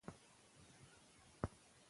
W